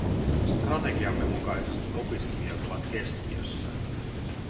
Strategiamme mukaisesti opiskelijat ovat keskiössä.